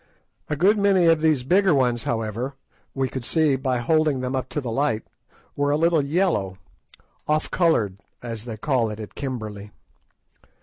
A good many of these bigger ones, however, we could see by holding them up to the light, were a little yellow, "off coloured," as they call it at Kimberley.